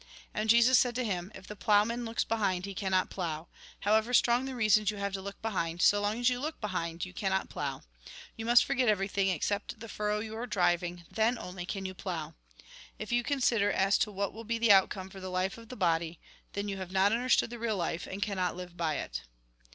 And Jesus said to him :" If the ploughman looks behind, he cannot plough. However strong the reasons you have to look behind, so long as you look behind, you cannot plough. You must forget every thing except the furrow you are driving ; then only can you plough. If you consider as to what will be the outcome for the life of the body, then you have not understood the real life, and cannot live by it."